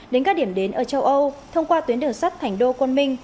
đến các điểm đến ở châu âu thông qua tuyến đường sắt thành đô côn minh